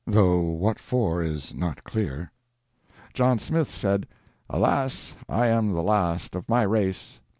though what for is not clear. John Smith said, "Alas, I am the last of my race."